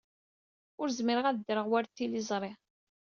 Ur zmireɣ ad ddreɣ war tiliẓri.